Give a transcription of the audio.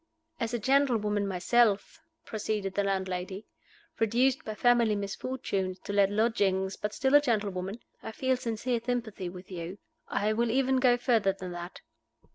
"As a gentlewoman myself," proceeded the landlady "reduced by family misfortunes to let lodgings, but still a gentlewoman I feel sincere sympathy with you. I will even go further than that.